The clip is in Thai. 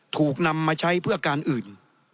ถูกนำมาใช้เพื่อการอื่น